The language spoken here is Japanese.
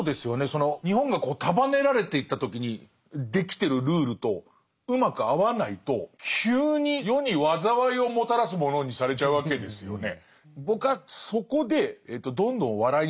その日本が束ねられていった時にできてるルールとうまく合わないと急に世に災いをもたらす者にされちゃうわけですよね。